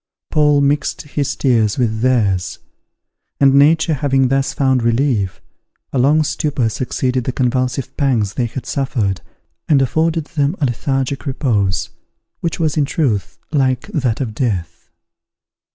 Paul mixed his tears with theirs; and nature having thus found relief, a long stupor succeeded the convulsive pangs they had suffered, and afforded them a lethargic repose, which was in truth, like that of death.